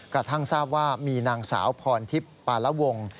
กระทั่งทราบว่ามีนางสาวพรทิพย์ปาละวง